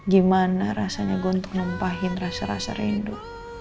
gimana rasanya gue untuk numpahin rasa rasa rindu